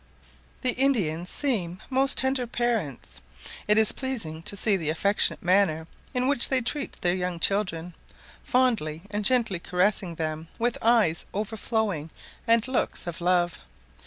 The Indians seem most tender parents; it is pleasing to see the affectionate manner in which they treat their young children, fondly and gently caressing them with eyes overflowing and looks of love.